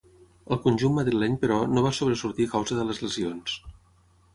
Al conjunt madrileny, però, no va sobresortir a causa de les lesions.